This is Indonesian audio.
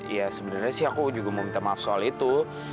ya sebenarnya sih aku juga mau minta maaf soal itu